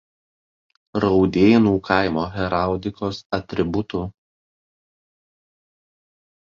Raudėnų kaimo heraldikos atributų.